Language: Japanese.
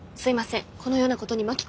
このようなことに巻き込んで。